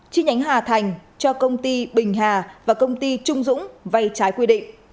chi nhánh hà thành cho công ty bình hà và công ty trung dũng vay trái quy định